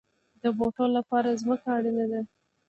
د بوټو لپاره ځمکه اړین ده